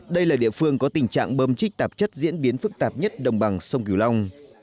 đây là địa phương có tình trạng bơm chích tạp chất diễn biến phức tạp nhất đồng bằng sông kiều long